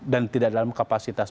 dan tidak dalam kapasitas